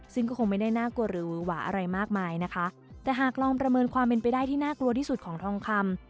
ซึ่งก็คงไม่ได้น่ากลัวหรือหวาอะไรมากมายนะคะแต่หากลองประเมินความเป็นไปได้ที่น่ากลัวที่สุดของทองคำ